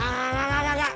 enggak enggak enggak enggak